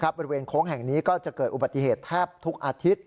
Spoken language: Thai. บริเวณโค้งแห่งนี้ก็จะเกิดอุบัติเหตุแทบทุกอาทิตย์